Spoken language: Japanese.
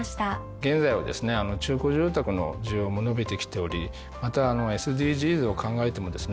現在はですね中古住宅の需要も伸びてきておりまたＳＤＧｓを考えてもですね